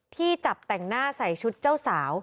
ที่จับแต่งหน้าใส่ชุดเจ้าสาว